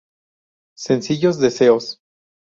Sencillos Deseos".